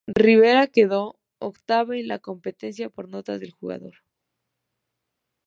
Rivera quedó octava en la competencia por notas del jurado.